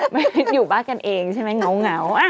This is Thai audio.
ไม่อยู่บ้านกันเองใช่ไหมเหงา